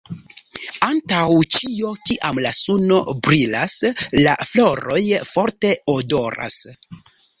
Antaŭ ĉio kiam la suno brilas la floroj forte odoras.